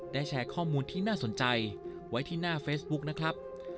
แชร์ข้อมูลที่น่าสนใจไว้ที่หน้าเฟซบุ๊กนะครับ